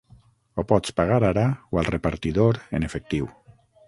Ho pots pagar ara o al repartidor en efectiu.